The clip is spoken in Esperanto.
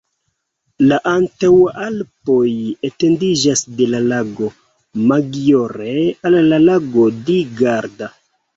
La Antaŭalpoj etendiĝas de la Lago Maggiore al la Lago di Garda.